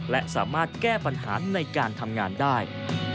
และสามารถแก้ปัญหาในการทำงานได้